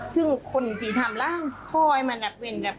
ซึ่งคนที่ทำล่างคอยมาหนักเว้นตระกำ